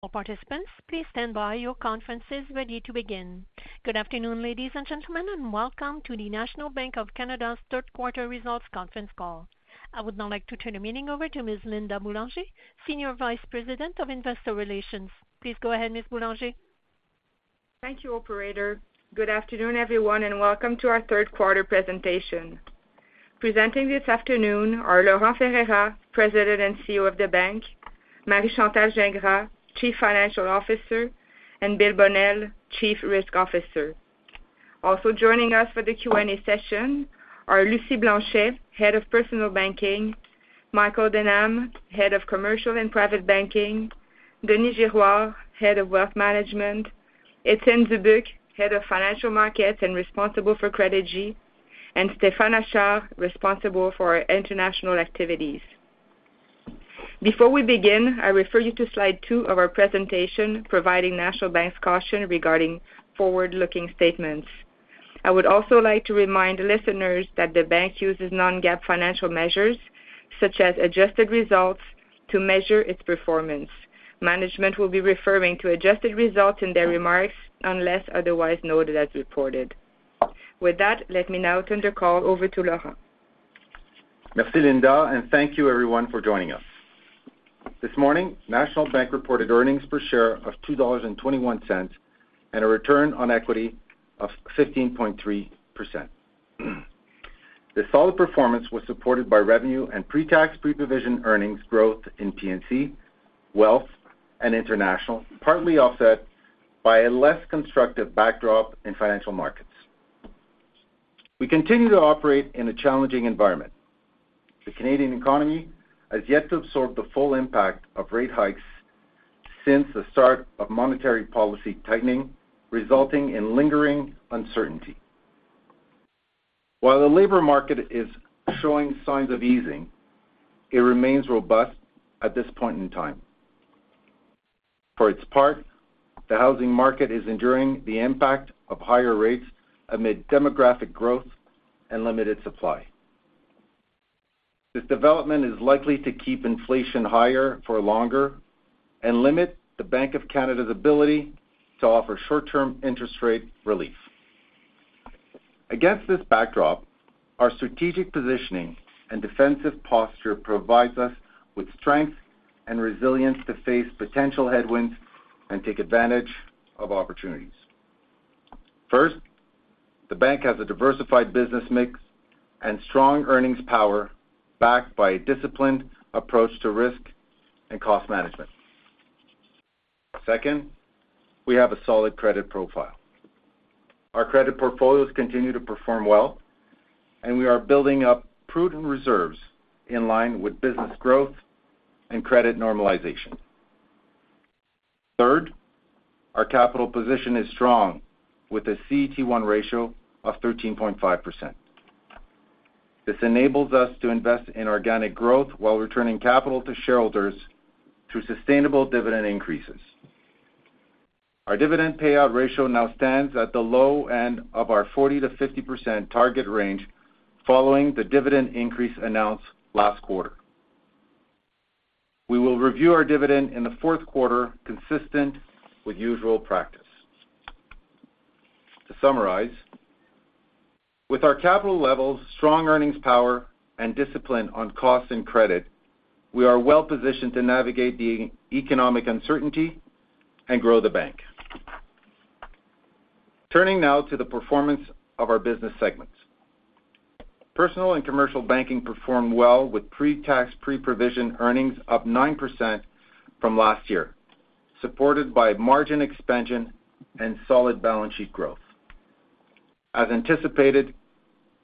All participants, please stand by. Your conference is ready to begin. Good afternoon, ladies and gentlemen, and welcome to the National Bank of Canada's third quarter results conference call. I would now like to turn the meeting over to Ms. Linda Boulanger, Senior Vice President of Investor Relations. Please go ahead, Ms. Boulanger. Thank you, operator. Good afternoon, everyone, and welcome to our third quarter presentation. Presenting this afternoon are Laurent Ferreira, President and CEO of the Bank, Marie-Chantal Gingras, Chief Financial Officer, and Bill Bonnell, Chief Risk Officer. Also joining us for the Q&A session are Lucie Blanchet, Head of Personal Banking, Michael Denham, Head of Commercial and Private Banking, Denis Girouard, Head of Wealth Management, Etienne Dubuc, Head of Financial Markets and responsible for Credigy, and Stéphane Achard, responsible for our international activities. Before we begin, I refer you to slide two of our presentation, providing National Bank's caution regarding forward-looking statements. I would also like to remind listeners that the bank uses non-GAAP financial measures, such as adjusted results, to measure its performance. Management will be referring to adjusted results in their remarks, unless otherwise noted as reported. With that, let me now turn the call over to Laurent. Merci, Linda, and thank you everyone for joining us. This morning, National Bank reported earnings per share of 2.21 dollars, and a return on equity of 15.3%. This solid performance was supported by revenue and pre-tax, pre-provision earnings growth in P&C, wealth, and international, partly offset by a less constructive backdrop in financial markets. We continue to operate in a challenging environment. The Canadian economy has yet to absorb the full impact of rate hikes since the start of monetary policy tightening, resulting in lingering uncertainty. While the labor market is showing signs of easing, it remains robust at this point in time. For its part, the housing market is enduring the impact of higher rates amid demographic growth and limited supply. This development is likely to keep inflation higher for longer and limit the Bank of Canada's ability to offer short-term interest rate relief. Against this backdrop, our strategic positioning and defensive posture provides us with strength and resilience to face potential headwinds and take advantage of opportunities. First, the bank has a diversified business mix and strong earnings power, backed by a disciplined approach to risk and cost management. Second, we have a solid credit profile. Our credit portfolios continue to perform well, and we are building up prudent reserves in line with business growth and credit normalization. Third, our capital position is strong, with a CET1 ratio of 13.5%. This enables us to invest in organic growth while returning capital to shareholders through sustainable dividend increases. Our dividend payout ratio now stands at the low end of our 40%-50% target range, following the dividend increase announced last quarter. We will review our dividend in the fourth quarter, consistent with usual practice. To summarize, with our capital levels, strong earnings power, and discipline on cost and credit, we are well positioned to navigate the economic uncertainty and grow the bank. Turning now to the performance of our business segments. Personal and commercial banking performed well, with pre-tax, pre-provision earnings up 9% from last year, supported by margin expansion and solid balance sheet growth. As anticipated,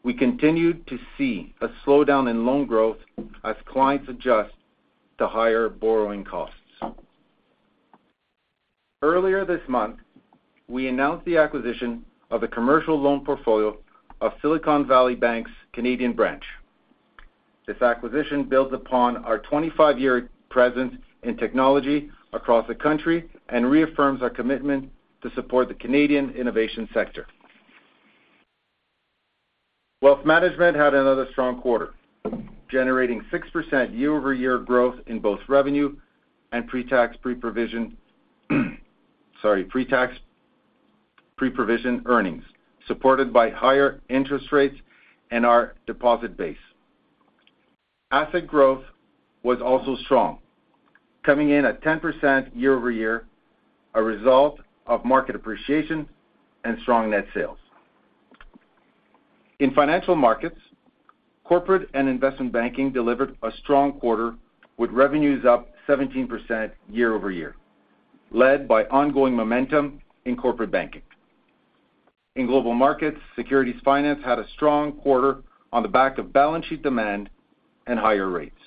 we continued to see a slowdown in loan growth as clients adjust to higher borrowing costs. Earlier this month, we announced the acquisition of the commercial loan portfolio of Silicon Valley Bank's Canadian branch. This acquisition builds upon our 25-year presence in technology across the country and reaffirms our commitment to support the Canadian innovation sector. Wealth Management had another strong quarter, generating 6% year-over-year growth in both revenue and pre-tax, pre-provision, sorry, pre-tax, pre-provision earnings, supported by higher interest rates and our deposit base. Asset growth was also strong, coming in at 10% year-over-year, a result of market appreciation and strong net sales. In Financial Markets, Corporate & Investment Banking delivered a strong quarter, with revenues up 17% year-over-year, led by ongoing momentum in corporate banking. In global markets, securities finance had a strong quarter on the back of balance sheet demand and higher rates,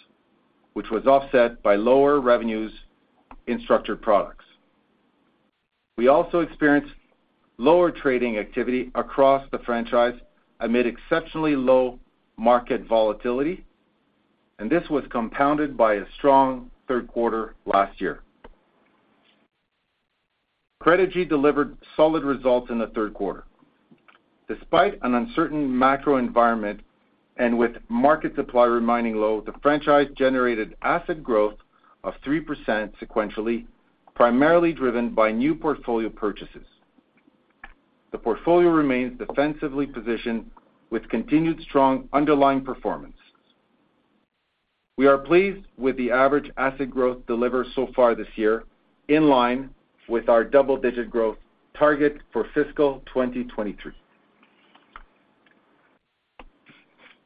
which was offset by lower revenues in structured products. We also experienced lower trading activity across the franchise amid exceptionally low market volatility, and this was compounded by a strong third quarter last year.... Credigy delivered solid results in the third quarter. Despite an uncertain macro environment and with market supply remaining low, the franchise generated asset growth of 3% sequentially, primarily driven by new portfolio purchases. The portfolio remains defensively positioned with continued strong underlying performance. We are pleased with the average asset growth delivered so far this year, in line with our double-digit growth target for fiscal 2023.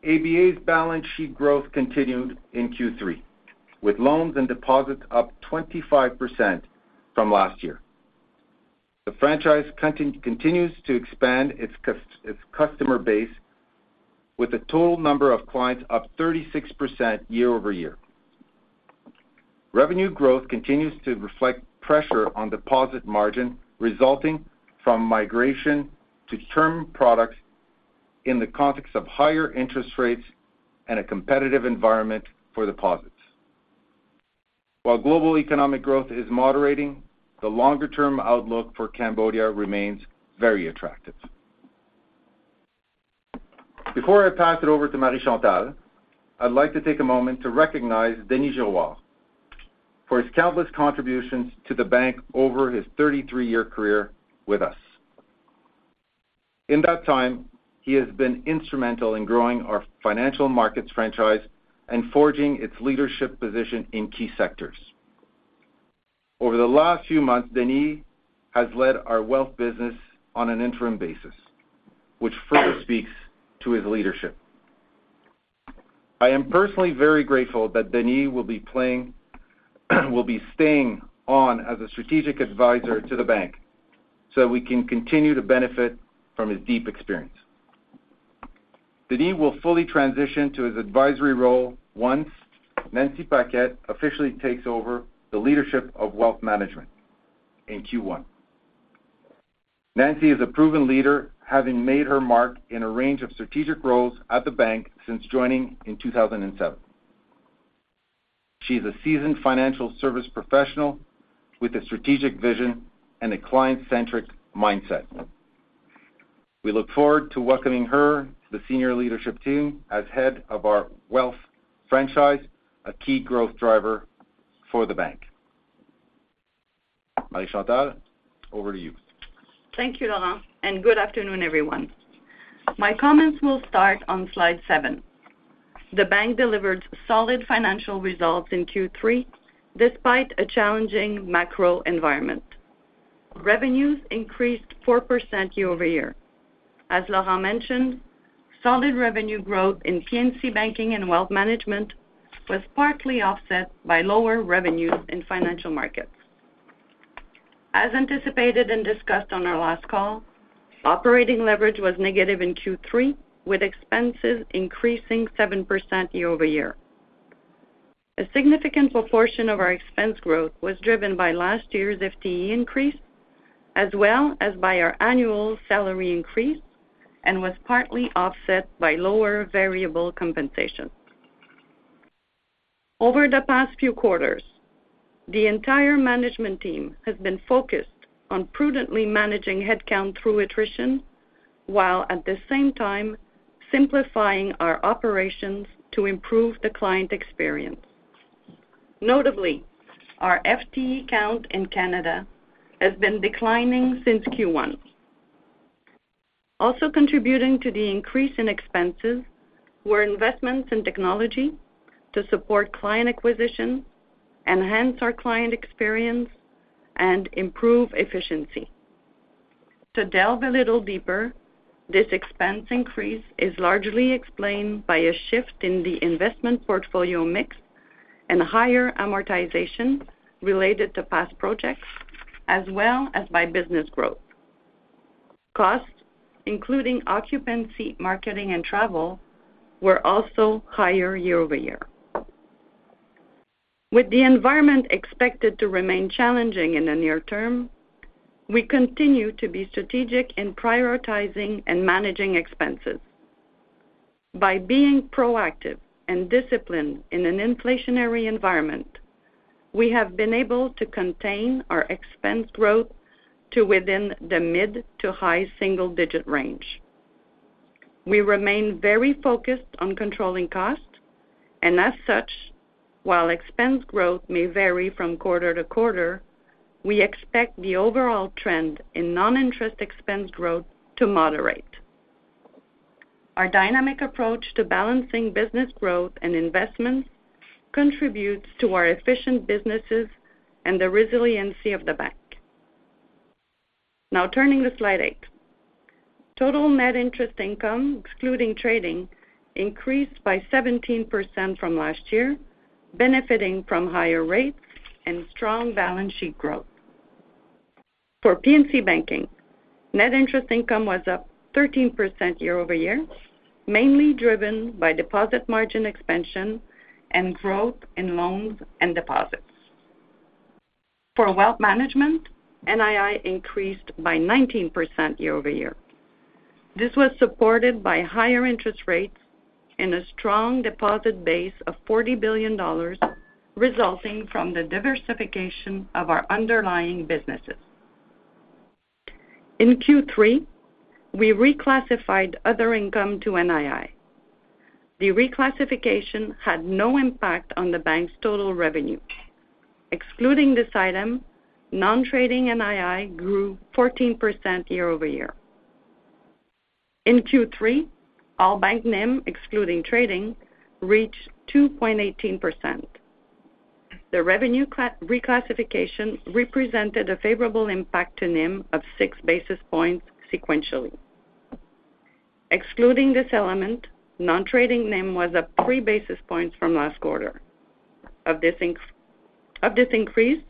ABA's balance sheet growth continued in Q3, with loans and deposits up 25% from last year. The franchise continues to expand its customer base, with the total number of clients up 36% year-over-year. Revenue growth continues to reflect pressure on deposit margin, resulting from migration to term products in the context of higher interest rates and a competitive environment for deposits. While global economic growth is moderating, the longer-term outlook for Cambodia remains very attractive. Before I pass it over to Marie-Chantal, I'd like to take a moment to recognize Denis Girouard for his countless contributions to the bank over his 33-year career with us. In that time, he has been instrumental in growing our financial markets franchise and forging its leadership position in key sectors. Over the last few months, Denis has led our wealth business on an interim basis, which further speaks to his leadership. I am personally very grateful that Denis will be staying on as a strategic advisor to the bank, so we can continue to benefit from his deep experience. Denis will fully transition to his advisory role once Nancy Paquet officially takes over the leadership of wealth management in Q1. Nancy is a proven leader, having made her mark in a range of strategic roles at the bank since joining in 2007. She is a seasoned financial service professional with a strategic vision and a client-centric mindset. We look forward to welcoming her to the senior leadership team as head of our wealth franchise, a key growth driver for the bank. Marie-Chantal, over to you. Thank you, Laurent, and good afternoon, everyone. My comments will start on slide seven. The bank delivered solid financial results in Q3, despite a challenging macro environment. Revenues increased 4% year-over-year. As Laurent mentioned, solid revenue growth in PNC Banking and Wealth Management was partly offset by lower revenues in Financial Markets. As anticipated and discussed on our last call, operating leverage was negative in Q3, with expenses increasing 7% year-over-year. A significant proportion of our expense growth was driven by last year's FTE increase, as well as by our annual salary increase, and was partly offset by lower variable compensation. Over the past few quarters, the entire management team has been focused on prudently managing headcount through attrition, while at the same time, simplifying our operations to improve the client experience. Notably, our FTE count in Canada has been declining since Q1. Also contributing to the increase in expenses were investments in technology to support client acquisition, enhance our client experience, and improve efficiency. To delve a little deeper, this expense increase is largely explained by a shift in the investment portfolio mix and higher amortization related to past projects, as well as by business growth. Costs, including occupancy, marketing, and travel, were also higher year-over-year. With the environment expected to remain challenging in the near term, we continue to be strategic in prioritizing and managing expenses. By being proactive and disciplined in an inflationary environment, we have been able to contain our expense growth to within the mid to high single-digit range. We remain very focused on controlling costs, and as such, while expense growth may vary from quarter to quarter, we expect the overall trend in non-interest expense growth to moderate. Our dynamic approach to balancing business growth and investments contributes to our efficient businesses and the resiliency of the bank. Now turning to slide 8. Total net interest income, excluding trading, increased by 17% from last year, benefiting from higher rates and strong balance sheet growth. For PNC Banking, net interest income was up 13% year-over-year, mainly driven by deposit margin expansion and growth in loans and deposits. For wealth management, NII increased by 19% year-over-year.... This was supported by higher interest rates and a strong deposit base of 40 billion dollars, resulting from the diversification of our underlying businesses. In Q3, we reclassified other income to NII. The reclassification had no impact on the bank's total revenue. Excluding this item, non-trading NII grew 14% year-over-year. In Q3, our bank NIM, excluding trading, reached 2.18%. The revenue reclassification represented a favorable impact to NIM of 6 basis points sequentially. Excluding this element, non-trading NIM was up 3 basis points from last quarter. Of this increase,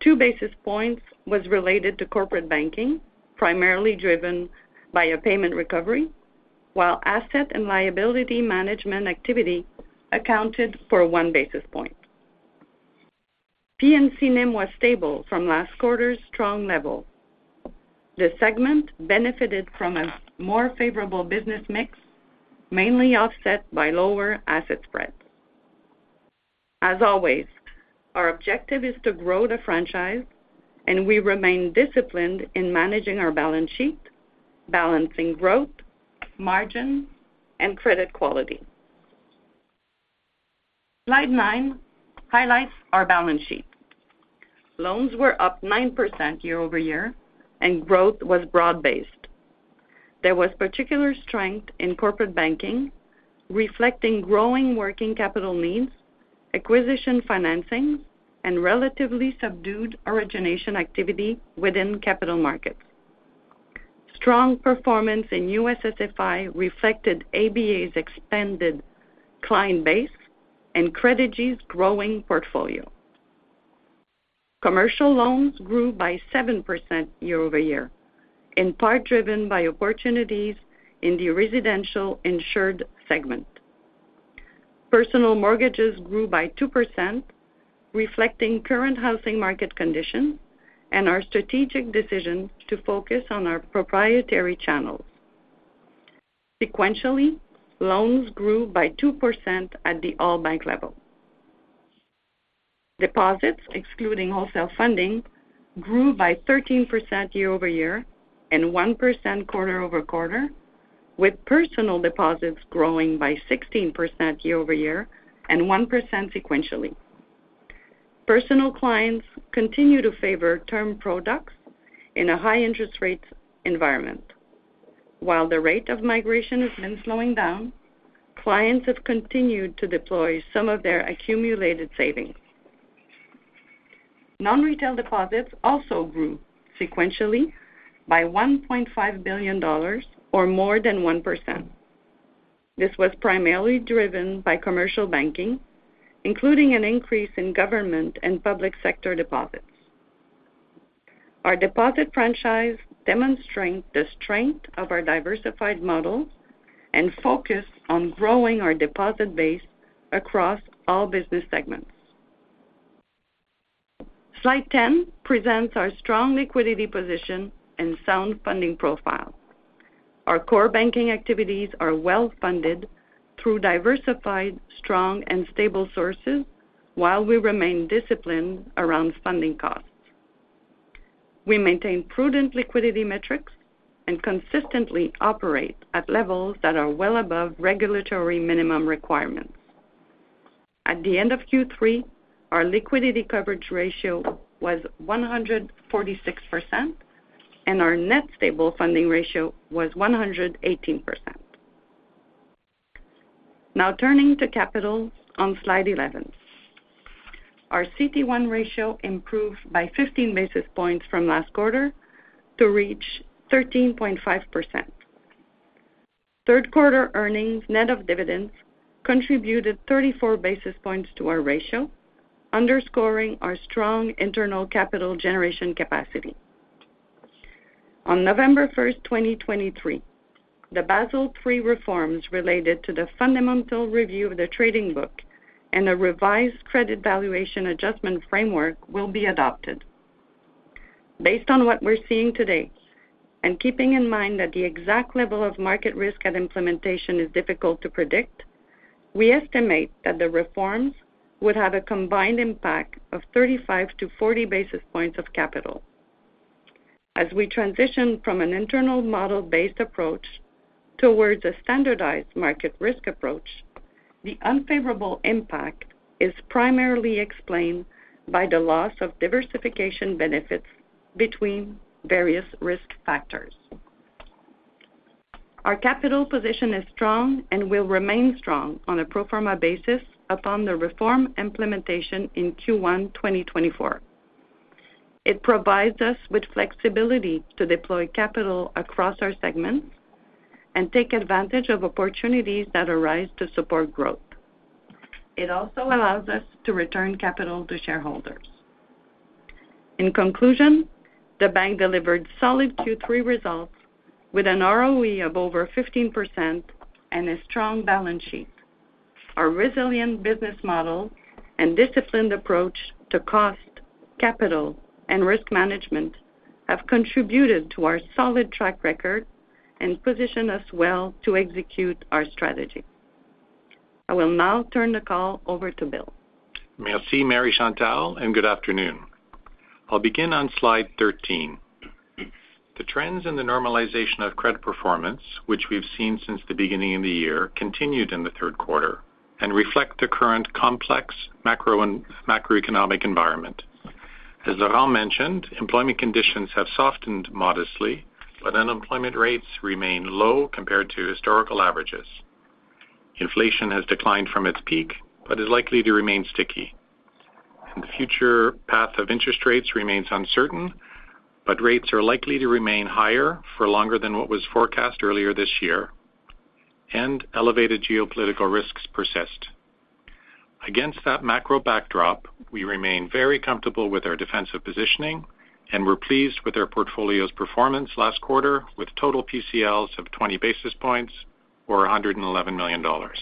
2 basis points was related to corporate banking, primarily driven by a payment recovery, while asset and liability management activity accounted for 1 basis point. P&C NIM was stable from last quarter's strong level. The segment benefited from a more favorable business mix, mainly offset by lower asset spreads. As always, our objective is to grow the franchise, and we remain disciplined in managing our balance sheet, balancing growth, margin, and credit quality. Slide nine highlights our balance sheet. Loans were up 9% year-over-year, and growth was broad-based. There was particular strength in corporate banking, reflecting growing working capital needs, acquisition financing, and relatively subdued origination activity within capital markets. Strong performance in U.S. SFI reflected ABA's expanded client base and Credigy's growing portfolio. Commercial loans grew by 7% year-over-year, in part driven by opportunities in the residential insured segment. Personal mortgages grew by 2%, reflecting current housing market conditions and our strategic decision to focus on our proprietary channels. Sequentially, loans grew by 2% at the all-bank level. Deposits, excluding wholesale funding, grew by 13% year-over-year and 1% quarter-over-quarter, with personal deposits growing by 16% year-over-year and 1% sequentially. Personal clients continue to favor term products in a high interest rate environment. While the rate of migration has been slowing down, clients have continued to deploy some of their accumulated savings. Non-retail deposits also grew sequentially by $1.5 billion, or more than 1%. This was primarily driven by commercial banking, including an increase in government and public sector deposits. Our deposit franchise demonstrating the strength of our diversified model and focus on growing our deposit base across all business segments. Slide 10 presents our strong liquidity position and sound funding profile. Our core banking activities are well-funded through diversified, strong, and stable sources, while we remain disciplined around funding costs. We maintain prudent liquidity metrics and consistently operate at levels that are well above regulatory minimum requirements. At the end of Q3, our liquidity coverage ratio was 146%, and our net stable funding ratio was 118%. Now turning to capital on Slide 11. Our CET1 ratio improved by 15 basis points from last quarter to reach 13.5%. Third quarter earnings, net of dividends, contributed 34 basis points to our ratio, underscoring our strong internal capital generation capacity. On November 1, 2023, the Basel III reforms related to the Fundamental Review of the Trading Book and a revised credit valuation adjustment framework will be adopted. Based on what we're seeing today, and keeping in mind that the exact level of market risk at implementation is difficult to predict, we estimate that the reforms would have a combined impact of 35-40 basis points of capital. As we transition from an internal model-based approach towards a standardized market risk approach, the unfavorable impact is primarily explained by the loss of diversification benefits between various risk factors. Our capital position is strong and will remain strong on a pro forma basis upon the reform implementation in Q1 2024. It provides us with flexibility to deploy capital across our segments and take advantage of opportunities that arise to support growth. It also allows us to return capital to shareholders. In conclusion, the bank delivered solid Q3 results with an ROE of over 15% and a strong balance sheet. Our resilient business model and disciplined approach to cost, capital, and risk management have contributed to our solid track record and position us well to execute our strategy. I will now turn the call over to Bill. Merci, Marie-Chantal, and good afternoon. I'll begin on slide 13. The trends in the normalization of credit performance, which we've seen since the beginning of the year, continued in the third quarter and reflect the current complex macro and macroeconomic environment. As Laurent mentioned, employment conditions have softened modestly, but unemployment rates remain low compared to historical averages. Inflation has declined from its peak, but is likely to remain sticky, and the future path of interest rates remains uncertain, but rates are likely to remain higher for longer than what was forecast earlier this year, and elevated geopolitical risks persist. Against that macro backdrop, we remain very comfortable with our defensive positioning, and we're pleased with our portfolio's performance last quarter, with total PCLs of 20 basis points or 111 million dollars.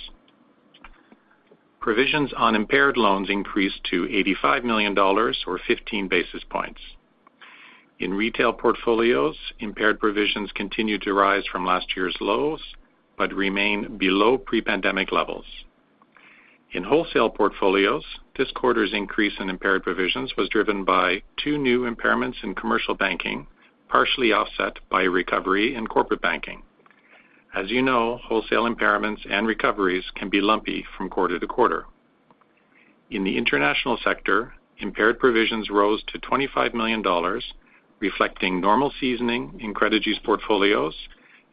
Provisions on impaired loans increased to 85 million dollars or 15 basis points. In retail portfolios, impaired provisions continued to rise from last year's lows, but remain below pre-pandemic levels. In wholesale portfolios, this quarter's increase in impaired provisions was driven by two new impairments in commercial banking, partially offset by recovery in corporate banking. As you know, wholesale impairments and recoveries can be lumpy from quarter to quarter. In the international sector, impaired provisions rose to 25 million dollars, reflecting normal seasoning in Credigy's portfolios,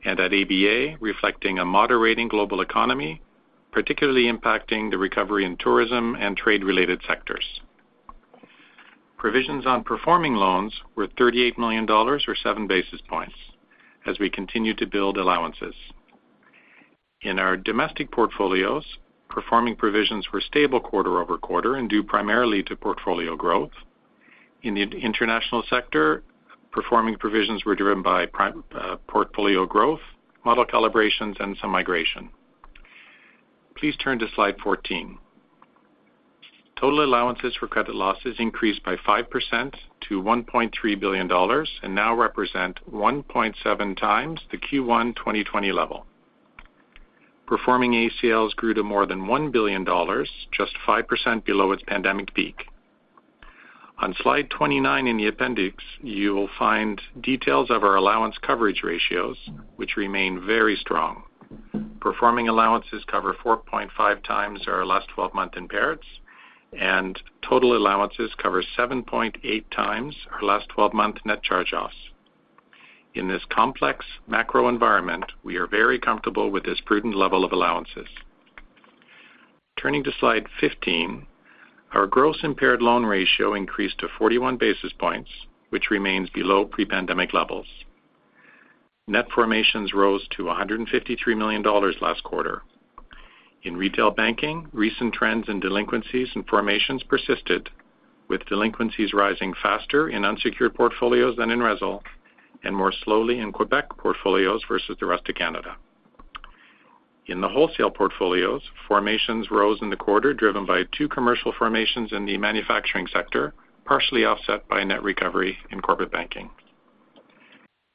and at ABA, reflecting a moderating global economy, particularly impacting the recovery in tourism and trade-related sectors. Provisions on performing loans were 38 million dollars or 7 basis points as we continued to build allowances. In our domestic portfolios, performing provisions were stable quarter-over-quarter and due primarily to portfolio growth. In the international sector, performing provisions were driven by prime portfolio growth, model calibrations, and some migration. Please turn to slide 14. Total allowances for credit losses increased by 5% to 1.3 billion dollars and now represent 1.7 times the Q1 2020 level. Performing ACLs grew to more than 1 billion dollars, just 5% below its pandemic peak. On slide 29 in the appendix, you will find details of our allowance coverage ratios, which remain very strong. Performing allowances cover 4.5 times our last 12-month impairments, and total allowances cover 7.8 times our last 12-month net charge-offs. In this complex macro environment, we are very comfortable with this prudent level of allowances. Turning to slide 15, our gross impaired loan ratio increased to 41 basis points, which remains below pre-pandemic levels. Net formations rose to 153 million dollars last quarter. In retail banking, recent trends in delinquencies and formations persisted, with delinquencies rising faster in unsecured portfolios than in RESL, and more slowly in Quebec portfolios versus the rest of Canada. In the wholesale portfolios, formations rose in the quarter, driven by two commercial formations in the manufacturing sector, partially offset by net recovery in corporate banking.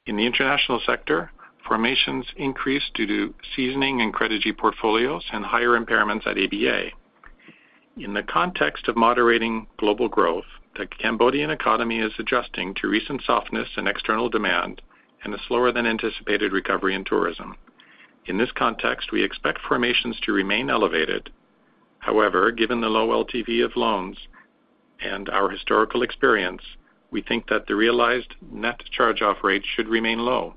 In the international sector, formations increased due to seasoning in Credigy portfolios and higher impairments at ABA. In the context of moderating global growth, the Cambodian economy is adjusting to recent softness in external demand and a slower than anticipated recovery in tourism. In this context, we expect formations to remain elevated. However, given the low LTV of loans and our historical experience, we think that the realized net charge-off rate should remain low.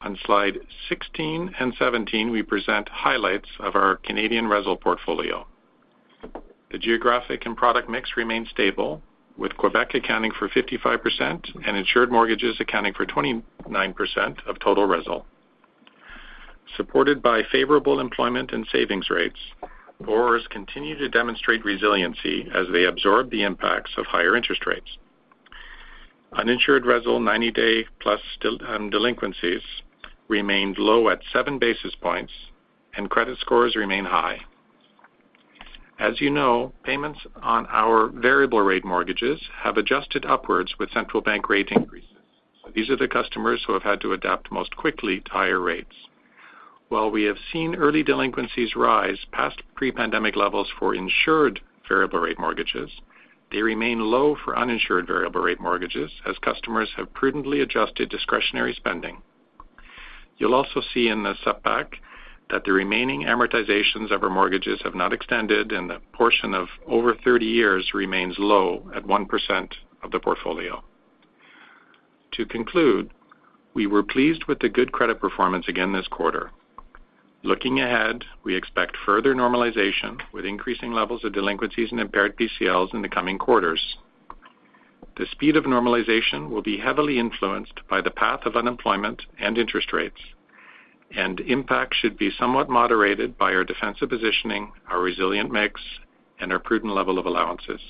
On slide 16 and 17, we present highlights of our Canadian RESL portfolio. The geographic and product mix remains stable, with Quebec accounting for 55% and insured mortgages accounting for 29% of total RESL. Supported by favorable employment and savings rates, borrowers continue to demonstrate resiliency as they absorb the impacts of higher interest rates. Uninsured RESL 90-day plus still, delinquencies remained low at seven basis points, and credit scores remain high. As you know, payments on our variable rate mortgages have adjusted upwards with central bank rate increases. These are the customers who have had to adapt most quickly to higher rates. While we have seen early delinquencies rise past pre-pandemic levels for insured variable rate mortgages, they remain low for uninsured variable rate mortgages as customers have prudently adjusted discretionary spending. You'll also see in the setback that the remaining amortizations of our mortgages have not extended, and the portion of over 30 years remains low at 1% of the portfolio. To conclude, we were pleased with the good credit performance again this quarter. Looking ahead, we expect further normalization with increasing levels of delinquencies and impaired PCLs in the coming quarters. The speed of normalization will be heavily influenced by the path of unemployment and interest rates, and impact should be somewhat moderated by our defensive positioning, our resilient mix, and our prudent level of allowances....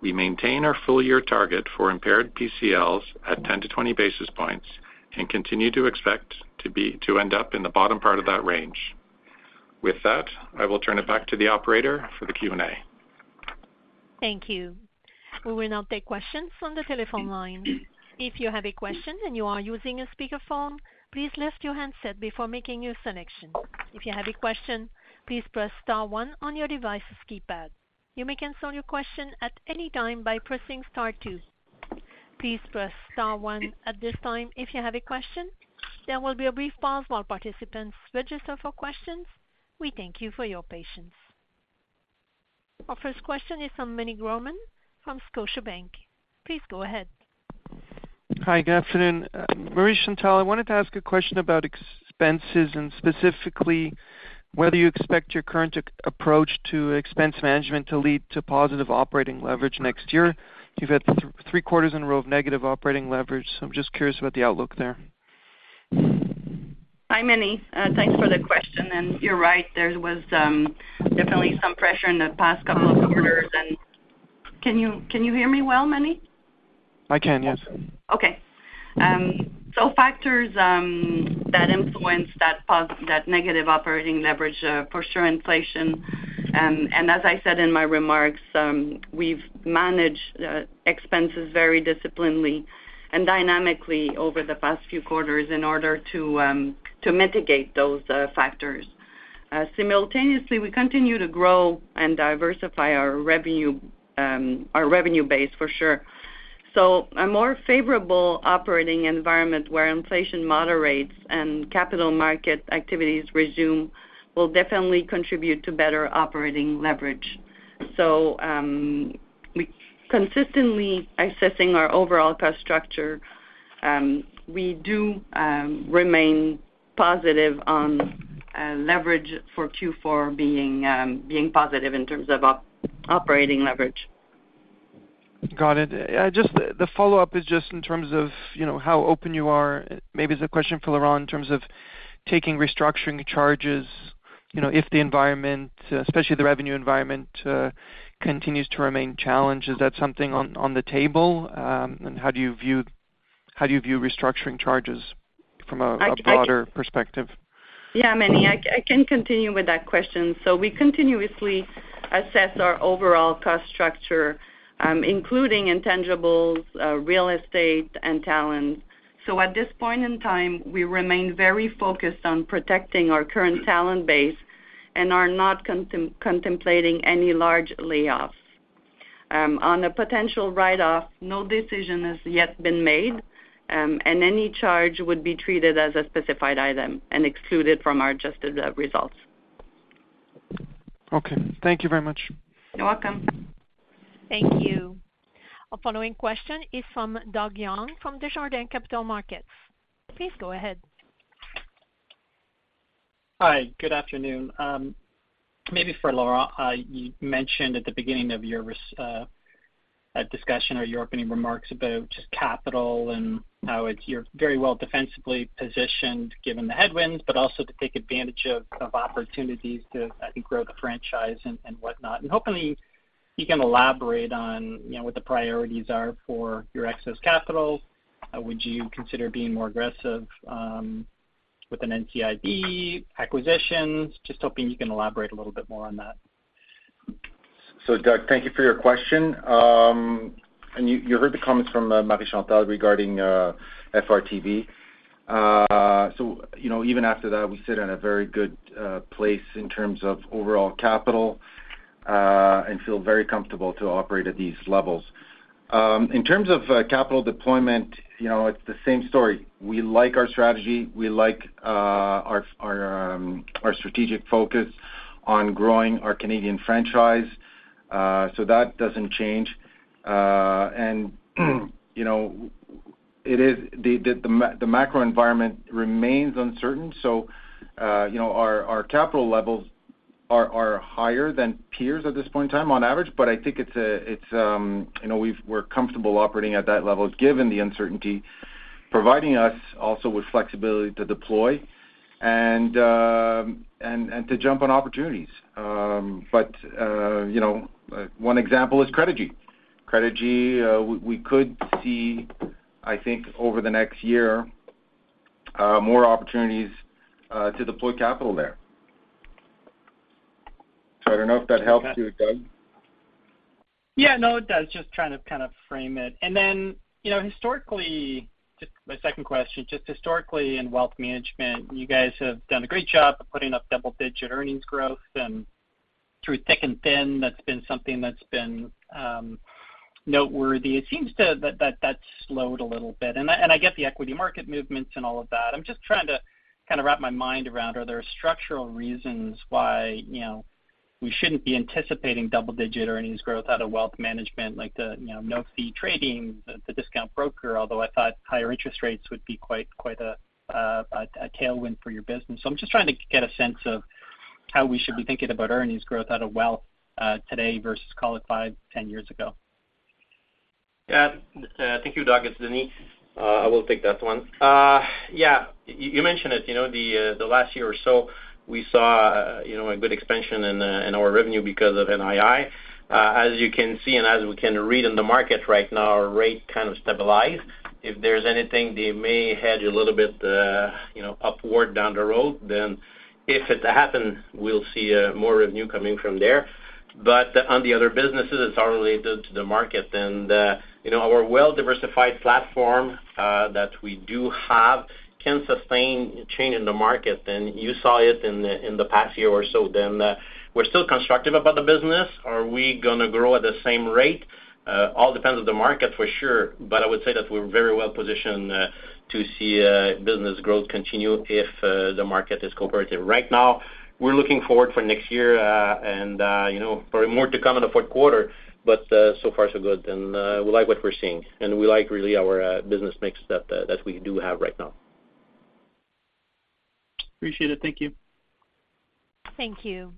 we maintain our full year target for impaired PCLs at 10-20 basis points and continue to expect to be, to end up in the bottom part of that range. With that, I will turn it back to the operator for the Q&A. Thank you. We will now take questions from the telephone line. If you have a question and you are using a speakerphone, please lift your handset before making your selection. If you have a question, please press star one on your device's keypad. You may cancel your question at any time by pressing star two. Please press star one at this time if you have a question. There will be a brief pause while participants register for questions. We thank you for your patience. Our first question is from Meny Grollman from Scotiabank. Please go ahead. Hi, good afternoon. Marie-Chantal, I wanted to ask a question about expenses and specifically whether you expect your current approach to expense management to lead to positive operating leverage next year. You've had three quarters in a row of negative operating leverage, so I'm just curious about the outlook there. Hi, Meny. Thanks for the question. And you're right, there was definitely some pressure in the past couple of quarters. And can you, can you hear me well, Meny? I can, yes. Okay. So factors that influence that negative operating leverage, for sure, inflation. And as I said in my remarks, we've managed expenses very disciplined and dynamically over the past few quarters in order to mitigate those factors. Simultaneously, we continue to grow and diversify our revenue, our revenue base, for sure. So a more favorable operating environment where inflation moderates and capital market activities resume will definitely contribute to better operating leverage. So, we consistently assessing our overall cost structure, we do remain positive on leverage for Q4 being positive in terms of operating leverage. Got it. Just the follow-up is just in terms of, you know, how open you are. Maybe it's a question for Laurent in terms of taking restructuring charges, you know, if the environment, especially the revenue environment, continues to remain challenged, is that something on the table? And how do you view restructuring charges from a broader perspective? Yeah, Meny, I can, I can continue with that question. So we continuously assess our overall cost structure, including intangibles, real estate, and talent. So at this point in time, we remain very focused on protecting our current talent base and are not contemplating any large layoffs. On a potential write-off, no decision has yet been made, and any charge would be treated as a specified item and excluded from our adjusted results. Okay, thank you very much. You're welcome. Thank you. Our following question is from Doug Young from Desjardins Capital Markets. Please go ahead. Hi, good afternoon. Maybe for Laurent, you mentioned at the beginning of your discussion or your opening remarks about just capital and how it's, you're very well defensively positioned given the headwinds, but also to take advantage of opportunities to, I think, grow the franchise and whatnot. Hopefully, you can elaborate on, you know, what the priorities are for your excess capital. Would you consider being more aggressive with an NCIB, acquisitions? Just hoping you can elaborate a little bit more on that. So, Doug, thank you for your question. And you heard the comments from Marie-Chantal regarding FRTB. So, you know, even after that, we sit in a very good place in terms of overall capital, and feel very comfortable to operate at these levels. In terms of capital deployment, you know, it's the same story. We like our strategy, we like our strategic focus on growing our Canadian franchise. So that doesn't change. And, you know, it is the macro environment remains uncertain. So, you know, our capital levels are higher than peers at this point in time on average, but I think it's you know, we're comfortable operating at that level given the uncertainty, providing us also with flexibility to deploy and to jump on opportunities. But you know, one example is Credigy. Credigy, we could see, I think, over the next year, more opportunities to deploy capital there. So I don't know if that helps you, Doug. Yeah, no, it does. Just trying to kind of frame it. And then, you know, historically, just my second question, just historically in wealth management, you guys have done a great job of putting up double-digit earnings growth. And through thick and thin, that's been something that's been noteworthy. It seems that that's slowed a little bit. And I get the equity market movements and all of that. I'm just trying to kind of wrap my mind around, are there structural reasons why, you know, we shouldn't be anticipating double-digit earnings growth out of wealth management, like the, you know, no fee trading, the discount broker, although I thought higher interest rates would be quite a tailwind for your business. So I'm just trying to get a sense of how we should be thinking about earnings growth out of wealth today versus call it five, 10 years ago.... Yeah. Thank you, Doug. It's Denis. I will take that one. Yeah, you mentioned it, you know, the last year or so, we saw, you know, a good expansion in our revenue because of NII. As you can see, and as we can read in the market right now, our rate kind of stabilized. If there's anything, they may hedge a little bit, you know, upward down the road, then if it happens, we'll see more revenue coming from there. But on the other businesses, it's all related to the market. And you know, our well-diversified platform that we do have can sustain change in the market, and you saw it in the past year or so, then, we're still constructive about the business. Are we going to grow at the same rate? All depends on the market, for sure. But I would say that we're very well positioned to see business growth continue if the market is cooperative. Right now, we're looking forward for next year, and you know, probably more to come in the fourth quarter, but so far, so good. And we like what we're seeing, and we like really our business mix that we do have right now. Appreciate it. Thank you. Thank you.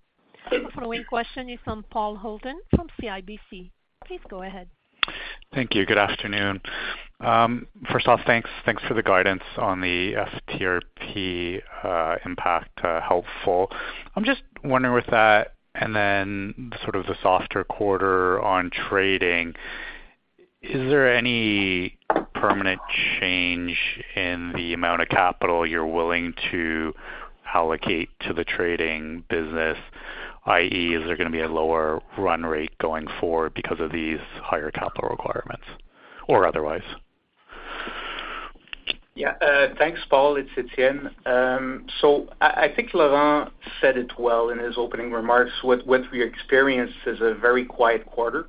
The following question is from Paul Holden, from CIBC. Please go ahead. Thank you. Good afternoon. First off, thanks, thanks for the guidance on the FTRB impact, helpful. I'm just wondering with that, and then sort of the softer quarter on trading, is there any permanent change in the amount of capital you're willing to allocate to the trading business? i.e., is there going to be a lower run rate going forward because of these higher capital requirements or otherwise? Yeah, thanks, Paul. It's Etienne. So I think Laurent said it well in his opening remarks. What we experienced is a very quiet quarter,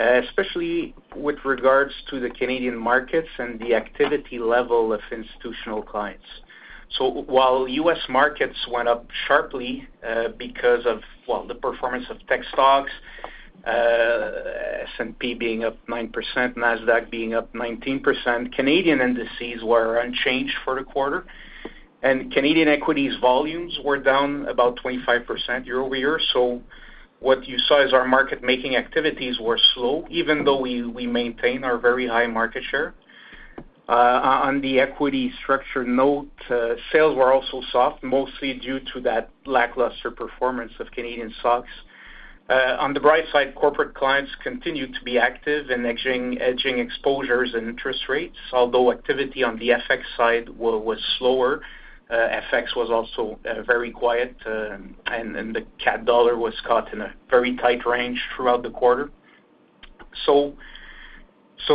especially with regards to the Canadian markets and the activity level of institutional clients. So while US markets went up sharply, because of the performance of tech stocks, S&P being up 9%, Nasdaq being up 19%, Canadian indices were unchanged for the quarter, and Canadian equities volumes were down about 25% year-over-year. So what you saw is our market making activities were slow, even though we maintain our very high market share. On the equity structured note, sales were also soft, mostly due to that lackluster performance of Canadian stocks. On the bright side, corporate clients continued to be active in edging exposures and interest rates. Although activity on the FX side was slower, FX was also very quiet, and the CAD dollar was caught in a very tight range throughout the quarter.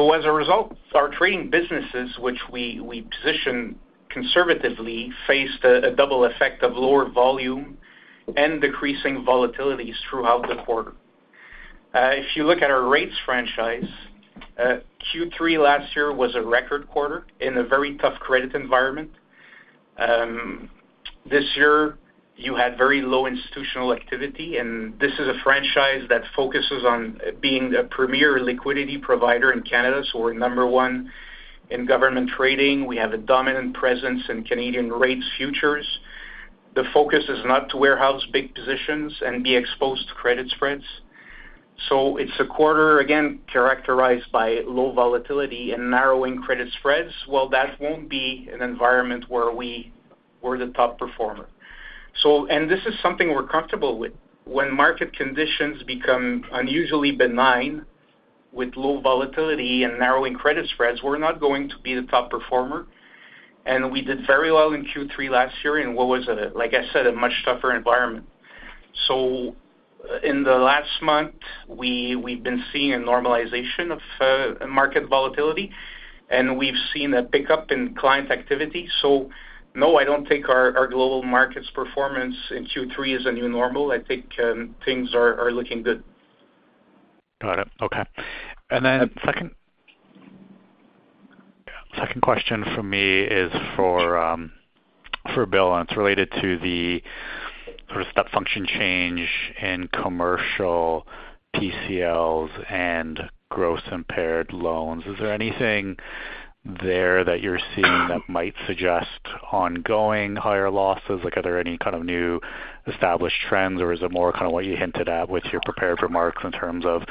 As a result, our trading businesses, which we position conservatively, faced a double effect of lower volume and decreasing volatilities throughout the quarter. If you look at our rates franchise, Q3 last year was a record quarter in a very tough credit environment. This year, you had very low institutional activity, and this is a franchise that focuses on being a premier liquidity provider in Canada. So we're number one in government trading. We have a dominant presence in Canadian rates futures. The focus is not to warehouse big positions and be exposed to credit spreads. So it's a quarter, again, characterized by low volatility and narrowing credit spreads. Well, that won't be an environment where we were the top performer. So, and this is something we're comfortable with. When market conditions become unusually benign, with low volatility and narrowing credit spreads, we're not going to be the top performer. And we did very well in Q3 last year, and what was it? Like I said, a much tougher environment. So in the last month, we've been seeing a normalization of market volatility, and we've seen a pickup in client activity. So no, I don't think our global markets performance in Q3 is a new normal. I think, things are looking good. Got it. Okay. And then second, second question for me is for Bill, and it's related to the sort of step function change in commercial PCLs and gross impaired loans. Is there anything there that you're seeing that might suggest ongoing higher losses? Like, are there any kind of new established trends, or is it more kind of what you hinted at with your prepared remarks in terms of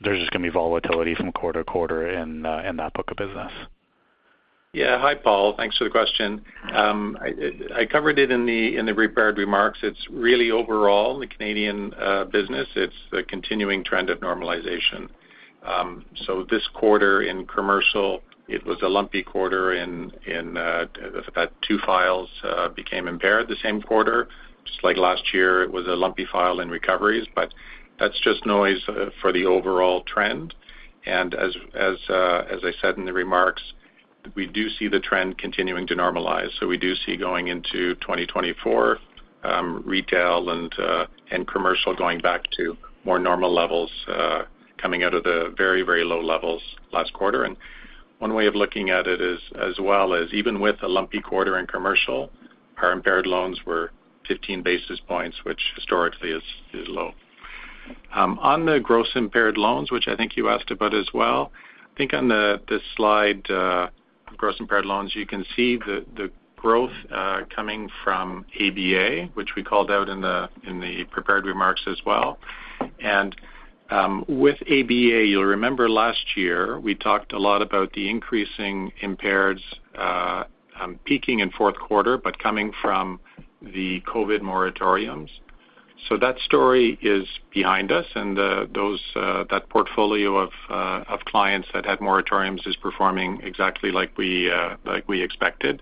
there's just going to be volatility from quarter-to-quarter in that book of business? Yeah. Hi, Paul. Thanks for the question. I covered it in the prepared remarks. It's really overall the Canadian business. It's a continuing trend of normalization. So this quarter in commercial, it was a lumpy quarter in about two files became impaired the same quarter, just like last year, it was a lumpy file in recoveries, but that's just noise for the overall trend. And as I said in the remarks, we do see the trend continuing to normalize. So we do see going into 2024, retail and commercial going back to more normal levels, coming out of the very, very low levels last quarter. One way of looking at it is, as well as even with a lumpy quarter in commercial, our impaired loans were 15 basis points, which historically is low. On the gross impaired loans, which I think you asked about as well, I think on the slide, gross impaired loans, you can see the growth coming from ABA, which we called out in the prepared remarks as well. With ABA, you'll remember last year, we talked a lot about the increasing impaireds peaking in fourth quarter, but coming from the COVID moratoriums. So that story is behind us, and those that portfolio of clients that had moratoriums is performing exactly like we expected.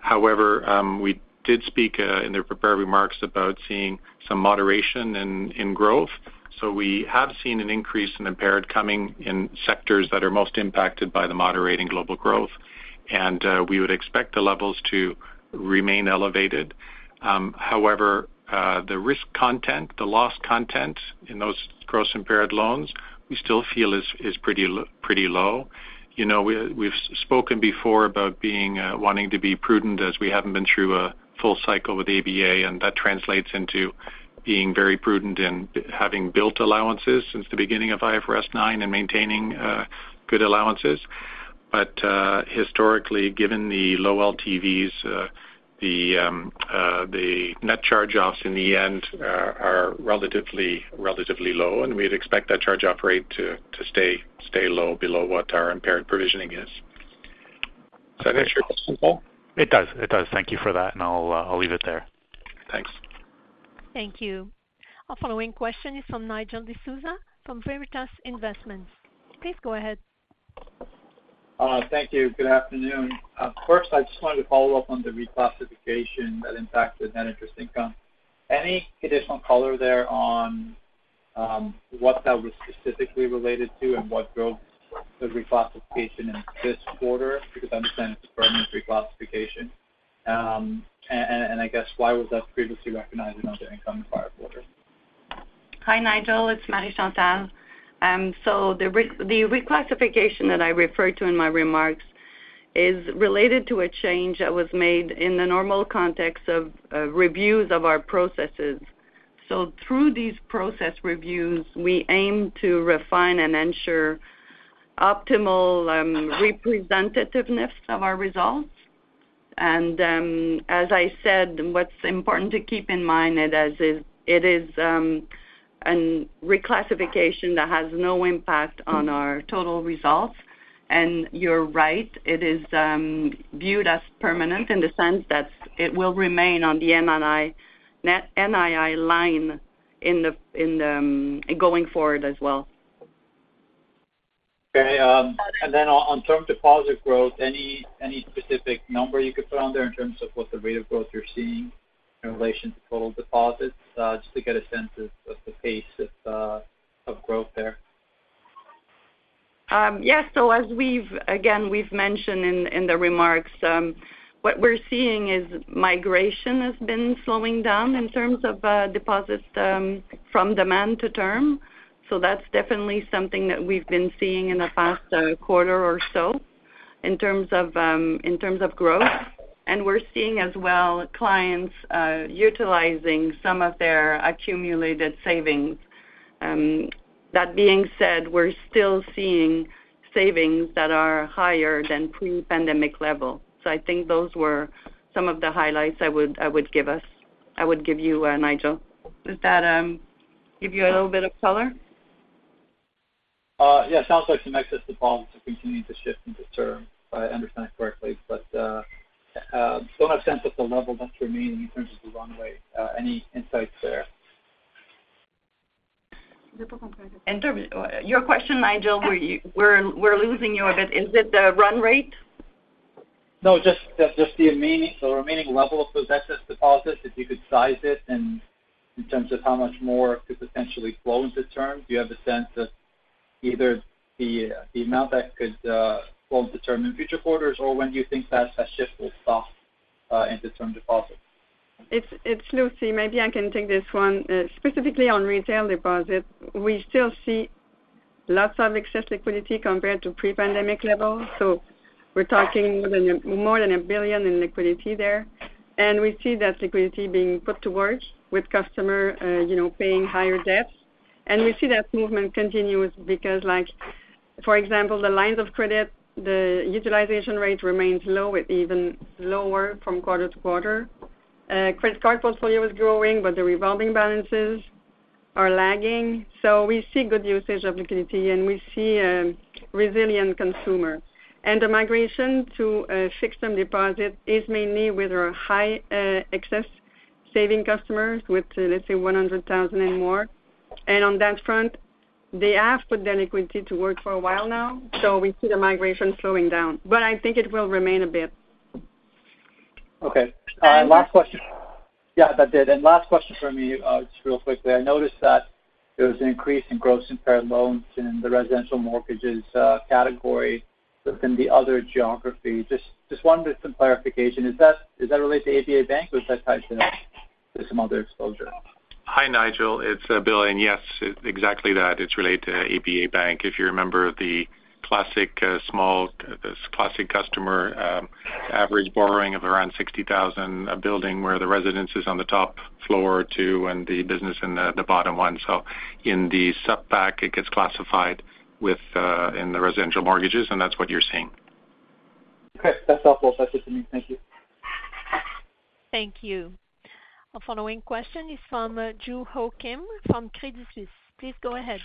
However, we did speak in the prepared remarks about seeing some moderation in growth. So we have seen an increase in impaired coming in sectors that are most impacted by the moderating global growth, and we would expect the levels to remain elevated. However, the risk content, the loss content in those gross impaired loans, we still feel is pretty low. You know, we, we've spoken before about being wanting to be prudent as we haven't been through a full cycle with ABA, and that translates into being very prudent and having built allowances since the beginning of IFRS 9 and maintaining good allowances. But, historically, given the low LTVs, the net charge-offs in the end are relatively low, and we'd expect that charge-off rate to stay low below what our impaired provisioning is. Does that answer your question, Paul? It does. It does. Thank you for that, and I'll, I'll leave it there. Thanks. Thank you. Our following question is from Nigel D'Souza from Veritas Investments. Please go ahead. Thank you. Good afternoon. First, I just wanted to follow up on the reclassification that impacted net interest income. Any additional color there on what that was specifically related to and what drove the reclassification in this quarter? Because I understand it's a permanent reclassification. I guess why was that previously recognized in other income in the prior quarter? Hi, Nigel. It's Marie-Chantal. So the reclassification that I referred to in my remarks is related to a change that was made in the normal context of reviews of our processes. So through these process reviews, we aim to refine and ensure optimal representativeness of our results. And as I said, what's important to keep in mind that as it is a reclassification that has no impact on our total results. And you're right, it is viewed as permanent in the sense that it will remain on the NII, net NII line in the going forward as well. Okay, and then on term deposit growth, any specific number you could put on there in terms of what the rate of growth you're seeing in relation to total deposits, just to get a sense of the pace of growth there? Yes. So as we've, again, we've mentioned in the remarks, what we're seeing is migration has been slowing down in terms of, deposits, from demand to term. So that's definitely something that we've been seeing in the past, quarter or so in terms of, in terms of growth. And we're seeing as well, clients, utilizing some of their accumulated savings. That being said, we're still seeing savings that are higher than pre-pandemic level. So I think those were some of the highlights I would, I would give us- I would give you, Nigel. Does that, give you a little bit of color? Yeah, sounds like some excess deposits are continuing to shift into term, if I understand correctly. But, don't have a sense of the level that's remaining in terms of the run rate. Any insights there? Your question, Nigel, we're losing you a bit. Is it the run rate? No, just the remaining level of those excess deposits, if you could size it, and in terms of how much more could potentially flow into term. Do you have a sense of either the amount that could flow into term in future quarters, or when do you think that shift will stop into term deposits? It's Lucie. Maybe I can take this one. Specifically on retail deposits, we still see lots of excess liquidity compared to pre-pandemic levels. So we're talking more than 1 billion in liquidity there. And we see that liquidity being put to work with customer you know paying higher debts. And we see that movement continuous because, like, for example, the lines of credit, the utilization rate remains low, with even lower from quarter to quarter. Credit card portfolio is growing, but the revolving balances are lagging. So we see good usage of liquidity, and we see a resilient consumer. And the migration to fixed term deposit is mainly with our high excess saving customers with, let's say, 100,000 and more. On that front, they have put their liquidity to work for a while now, so we see the migration slowing down. I think it will remain a bit. Okay. And- Last question. Yeah, that did. And last question from me, just real quickly. I noticed that there was an increase in gross impaired loans in the residential mortgages category within the other geography. Just, just wanted some clarification. Is that, is that related to ABA Bank, or is that tied to, to some other exposure? Hi, Nigel. It's Bill, and yes, exactly that. It's related to ABA Bank. If you remember, the classic, small, this classic customer,... average borrowing of around 60,000, a building where the residence is on the top floor or two, and the business in the bottom one. So in the sub pack, it gets classified with in the residential mortgages, and that's what you're seeing. Okay, that's helpful. That's it for me. Thank you. Thank you. Our following question is from Joo Ho Kim from Credit Suisse. Please go ahead.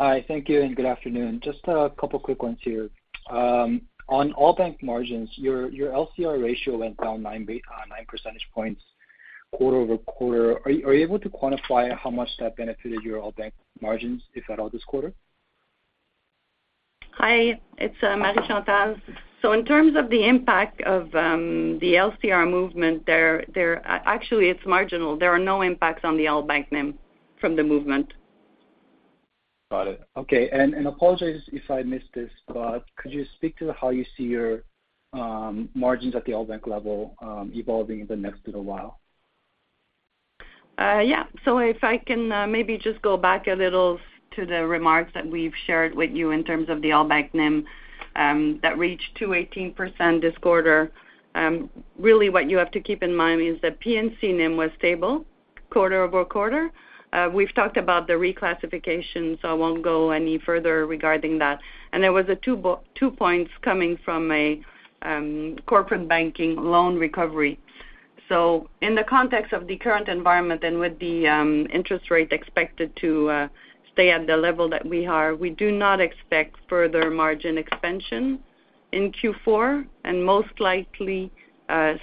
Hi, thank you, and good afternoon. Just a couple quick ones here. On all bank margins, your LCR ratio went down 9 percentage points quarter-over-quarter. Are you able to quantify how much that benefited your all bank margins, if at all, this quarter? Hi, it's Marie-Chantal. So in terms of the impact of the LCR movement, actually, it's marginal. There are no impacts on the all bank NIM from the movement. Got it. Okay, and, and apologies if I missed this, but could you speak to how you see your margins at the all bank level, evolving in the next little while? Yeah. So if I can, maybe just go back a little to the remarks that we've shared with you in terms of the all bank NIM, that reached 2.18% this quarter. Really what you have to keep in mind is that P&C NIM was stable quarter-over-quarter. We've talked about the reclassification, so I won't go any further regarding that. And there was two points coming from a corporate banking loan recovery. So in the context of the current environment and with the interest rate expected to stay at the level that we are, we do not expect further margin expansion in Q4, and most likely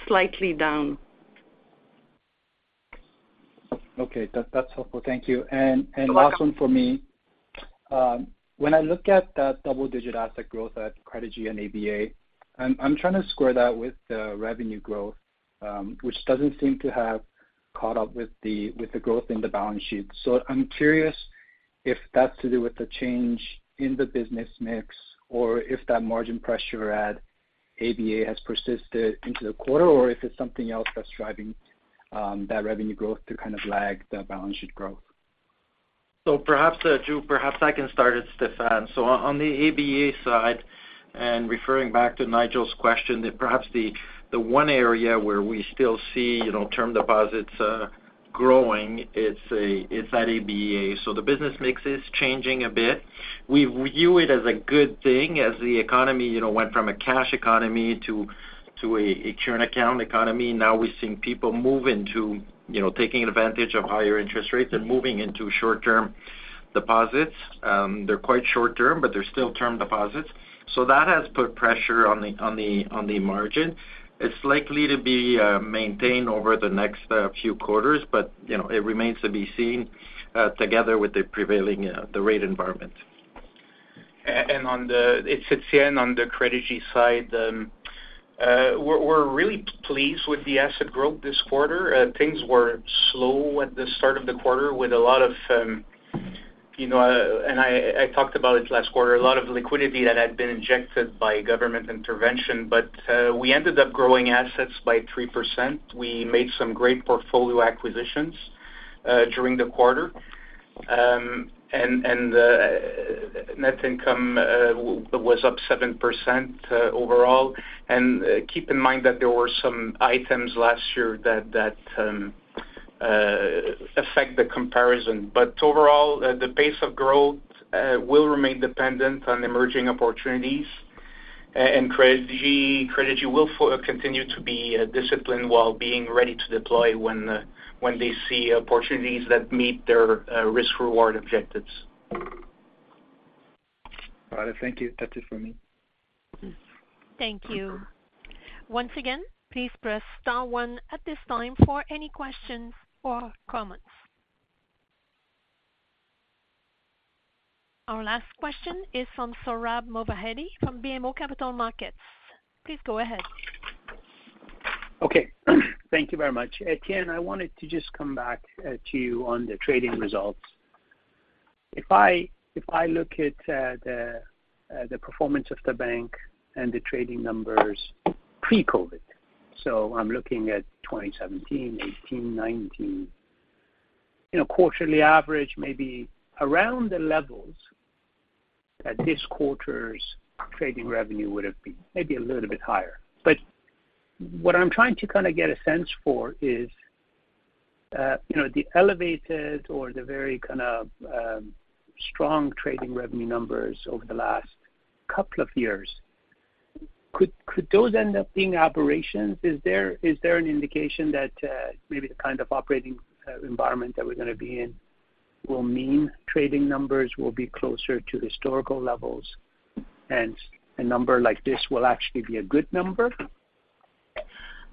slightly down. Okay, that, that's helpful. Thank you. You're welcome. And last one for me. When I look at that double-digit asset growth at Credigy and ABA, I'm, I'm trying to square that with the revenue growth, which doesn't seem to have caught up with the, with the growth in the balance sheet. So I'm curious if that's to do with the change in the business mix, or if that margin pressure at ABA has persisted into the quarter, or if it's something else that's driving, that revenue growth to kind of lag the balance sheet growth. So perhaps, Joo perhaps I can start it, Stefan. So on, on the ABA side, and referring back to Nigel's question, that perhaps the, the one area where we still see, you know, term deposits, growing, it's at ABA. So the business mix is changing a bit. We view it as a good thing, as the economy, you know, went from a cash economy to, to a current account economy. Now we're seeing people move into, you know, taking advantage of higher interest rates and moving into short-term deposits. They're quite short term, but they're still term deposits. So that has put pressure on the, on the, on the margin. It's likely to be, maintained over the next, few quarters, but, you know, it remains to be seen, together with the prevailing, the rate environment. And on the, it's Etienne on the Credigy side. We're really pleased with the asset growth this quarter. Things were slow at the start of the quarter with a lot of, you know, and I talked about it last quarter, a lot of liquidity that had been injected by government intervention, but we ended up growing assets by 3%. We made some great portfolio acquisitions during the quarter. And net income was up 7% overall. And keep in mind that there were some items last year that affect the comparison. But overall, the pace of growth will remain dependent on emerging opportunities, and Credigy will continue to be disciplined while being ready to deploy when they see opportunities that meet their risk-reward objectives. All right. Thank you. That's it for me. Thank you. Once again, please press star one at this time for any questions or comments. Our last question is from Sohrab Movahedi from BMO Capital Markets. Please go ahead. Okay, thank you very much. Etienne, I wanted to just come back to you on the trading results. If I, if I look at the performance of the bank and the trading numbers pre-COVID, so I'm looking at 2017, 2018, 2019, you know, quarterly average, maybe around the levels that this quarter's trading revenue would have been, maybe a little bit higher. But what I'm trying to kinda get a sense for is, you know, the elevated or the very kind of strong trading revenue numbers over the last couple of years. Could those end up being aberrations? Is there an indication that maybe the kind of operating environment that we're gonna be in will mean trading numbers will be closer to historical levels, and a number like this will actually be a good number?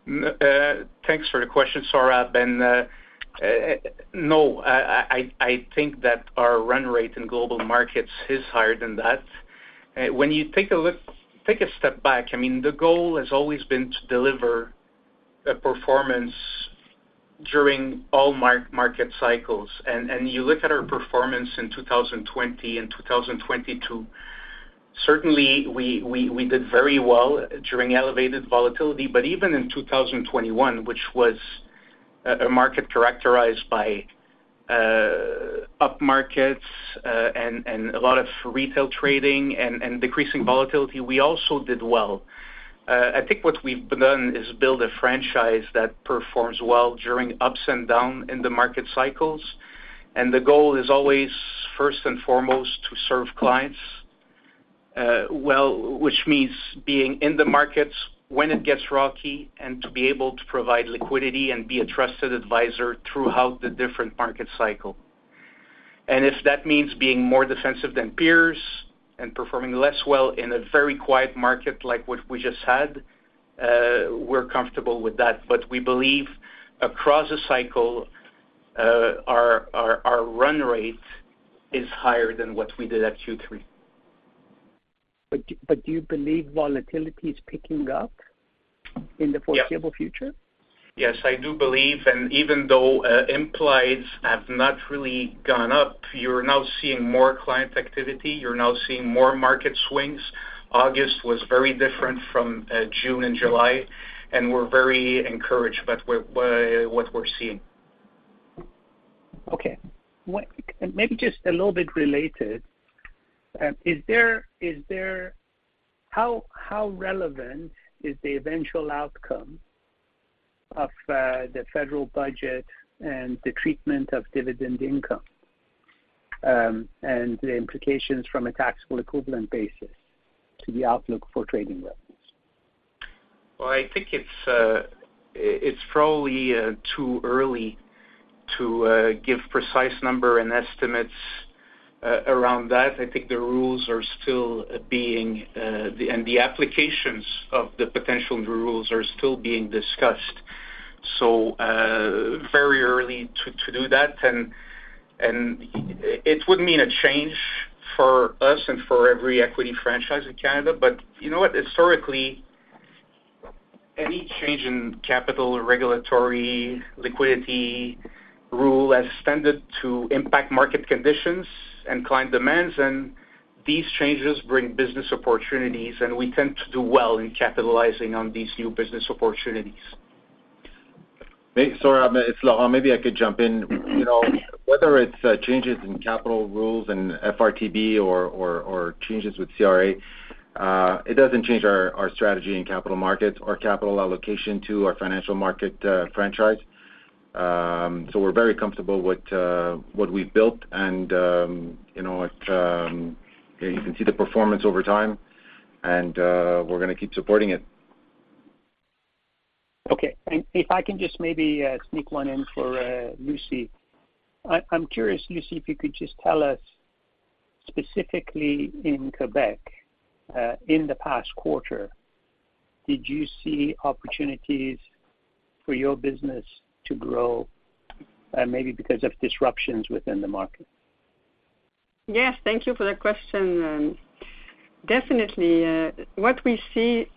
Thanks for the question, Sohrab, and no, I think that our run rate in global markets is higher than that. When you take a step back, I mean, the goal has always been to deliver a performance during all market cycles. You look at our performance in 2020 and 2022, certainly we did very well during elevated volatility. But even in 2021, which was a market characterized by up markets and a lot of retail trading and decreasing volatility, we also did well. I think what we've done is build a franchise that performs well during ups and down in the market cycles. And the goal is always, first and foremost, to serve clients, well, which means being in the markets when it gets rocky, and to be able to provide liquidity and be a trusted advisor throughout the different market cycle. And if that means being more defensive than peers and performing less well in a very quiet market like what we just had, we're comfortable with that. But we believe across the cycle, our run rate is higher than what we did at Q3. But do you believe volatility is picking up? Yeah. in the foreseeable future? Yes, I do believe, and even though implieds have not really gone up, you're now seeing more client activity, you're now seeing more market swings. August was very different from June and July, and we're very encouraged by what we're seeing. Okay. And maybe just a little bit related, how relevant is the eventual outcome of the federal budget and the treatment of dividend income, and the implications from a taxable equivalent basis to the outlook for trading revenues? Well, I think it's probably too early to give precise number and estimates around that. I think the rules are still being and the applications of the potential rules are still being discussed. So, very early to do that, and it would mean a change for us and for every equity franchise in Canada. But you know what? Historically, any change in capital, regulatory, liquidity rule has tended to impact market conditions and client demands, and these changes bring business opportunities, and we tend to do well in capitalizing on these new business opportunities. Hey, sorry, it's Laurent. Maybe I could jump in. You know, whether it's changes in capital rules and FRTB or changes with CRA, it doesn't change our strategy in capital markets or capital allocation to our financial market franchise. So we're very comfortable with what we've built, and you know, you can see the performance over time, and we're gonna keep supporting it. Okay. And if I can just maybe sneak one in for Lucie. I'm curious, Lucie, if you could just tell us specifically in Quebec, in the past quarter, did you see opportunities for your business to grow, maybe because of disruptions within the market? Yes, thank you for the question. Definitely, what we see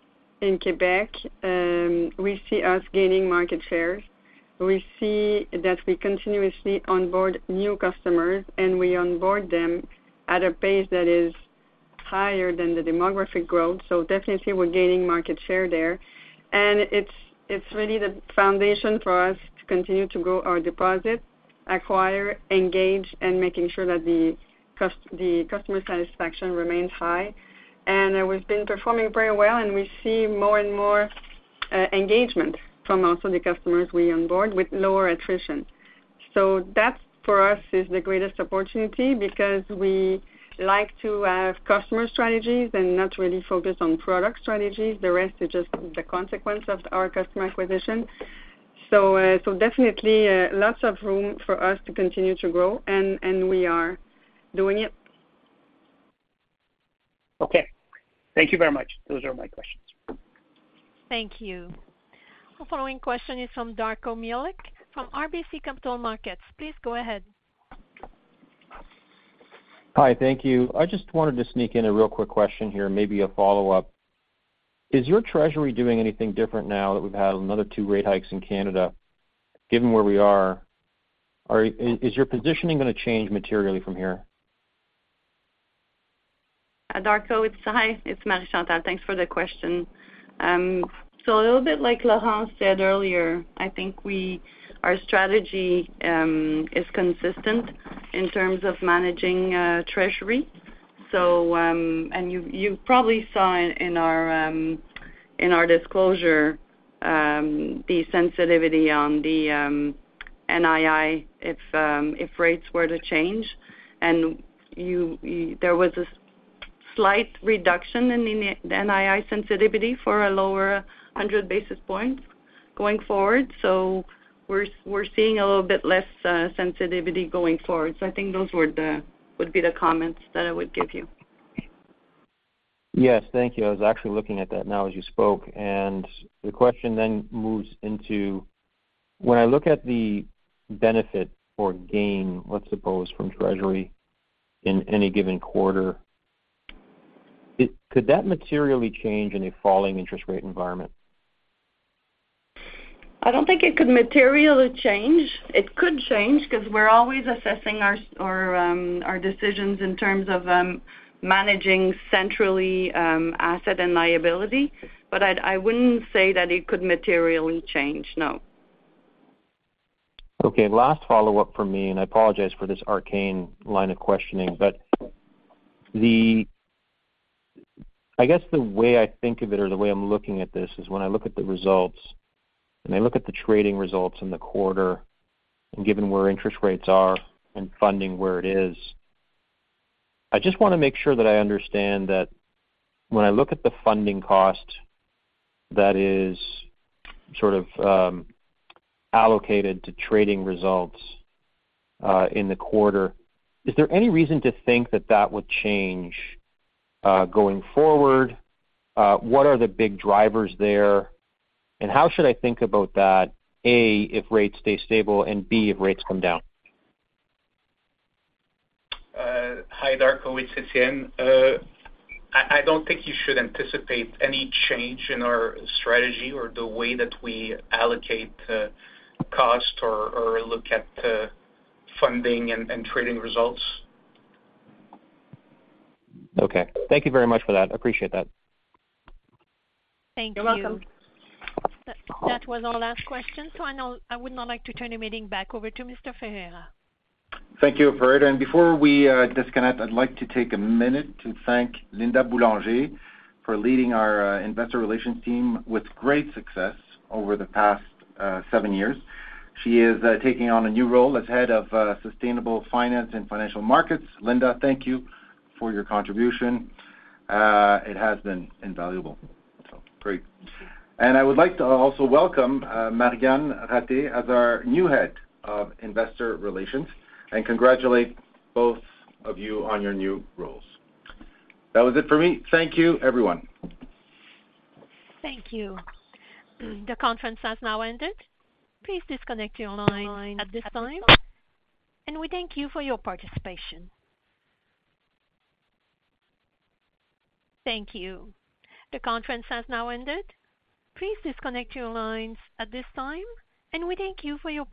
in Quebec, we see us gaining market share. We see that we continuously onboard new customers, and we onboard them at a pace that is higher than the demographic growth. So definitely, we're gaining market share there. And it's, it's really the foundation for us to continue to grow our deposits, acquire, engage, and making sure that the customer satisfaction remains high. And, we've been performing very well, and we see more and more, engagement from also the customers we onboard, with lower attrition. So that, for us, is the greatest opportunity because we like to have customer strategies and not really focus on product strategies. The rest is just the consequence of our customer acquisition. So, definitely, lots of room for us to continue to grow, and we are doing it. Okay. Thank you very much. Those are my questions. Thank you. Our following question is from Darko Mihelic, from RBC Capital Markets. Please go ahead. Hi, thank you. I just wanted to sneak in a real quick question here, and maybe a follow-up. Is your Treasury doing anything different now that we've had another two rate hikes in Canada, given where we are? Or is your positioning gonna change materially from here? Darko, it's hi, it's Marie-Chantal. Thanks for the question. So a little bit like Laurent said earlier, I think our strategy is consistent in terms of managing Treasury. So, and you probably saw in our disclosure, the sensitivity on the NII if rates were to change. And you, there was a slight reduction in the NII sensitivity for a lower 100 basis points going forward, so we're seeing a little bit less sensitivity going forward. So I think those would be the comments that I would give you. Yes. Thank you. I was actually looking at that now as you spoke, and the question then moves into, when I look at the benefit or gain, let's suppose, from Treasury in any given quarter, it could that materially change in a falling interest rate environment? I don't think it could materially change. It could change, because we're always assessing our decisions in terms of managing centrally asset and liability, but I wouldn't say that it could materially change, no.... Okay, last follow-up for me, and I apologize for this arcane line of questioning, but I guess the way I think of it or the way I'm looking at this, is when I look at the results, and I look at the trading results in the quarter, and given where interest rates are and funding where it is, I just want to make sure that I understand that when I look at the funding cost that is sort of allocated to trading results in the quarter, is there any reason to think that that would change going forward? What are the big drivers there, and how should I think about that, A, if rates stay stable, and B, if rates come down? Hi, Darko, it's Etienne. I don't think you should anticipate any change in our strategy or the way that we allocate cost or look at funding and trading results. Okay. Thank you very much for that. I appreciate that. Thank you. You're welcome. That was our last question, so I would now like to turn the meeting back over to Mr. Ferreira. Thank you, Operator, and before we disconnect, I'd like to take a minute to thank Linda Boulanger for leading our Investor Relations team with great success over the past seven years. She is taking on a new role as Head of Sustainable Finance and Financial Markets. Linda, thank you for your contribution. It has been invaluable. So great. And I would like to also welcome Marianne Ratté as our new Head of Investor Relations, and congratulate both of you on your new roles. That was it for me. Thank you, everyone. Thank you. The conference has now ended. Please disconnect your line at this time, and we thank you for your participation. Thank you. The conference has now ended. Please disconnect your lines at this time, and we thank you for your participation.